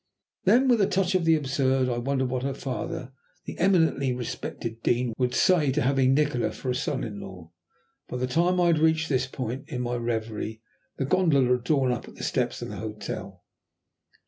Then, with a touch of the absurd, I wondered what her father, the eminently respected dean, would say to having Nikola for a son in law. By the time I had reached this point in my reverie the gondola had drawn up at the steps of the hotel.